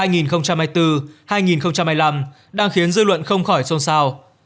giai đoạn hai nghìn hai mươi bốn hai nghìn hai mươi năm đang khiến dư luận không khỏi xôn xao